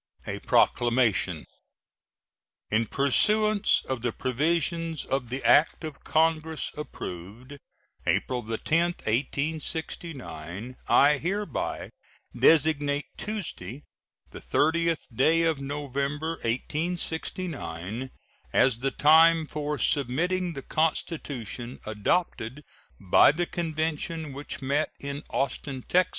A PROCLAMATION. In pursuance of the provisions of the act of Congress approved April 10, 1869, I hereby designate Tuesday, the 30th day of November, 1869, as the time for submitting the constitution adopted by the convention which met in Austin, Tex.